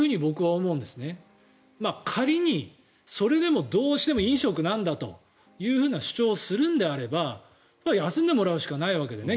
もし、仮にそれでもどうしても飲食なんだという主張をするのであれば休んでもらうしかないわけだよね。